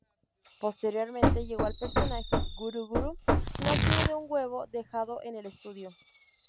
Posteriormente llegó el personaje Guru-Guru, nacido de un huevo dejado en el estudio.